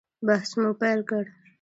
بحث مو پیل کړ.